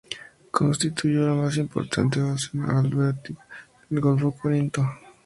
Constituyó la más importante base naval beocia en el golfo de Corinto.